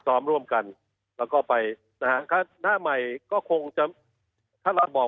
ซ้อมร่วมกันแล้วก็ไปนะฮะถ้าหน้าใหม่ก็คงจะถ้าเราบอก